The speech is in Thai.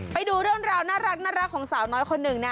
ไปดูเรื่องราวน่ารักของสาวน้อยคนหนึ่งนะ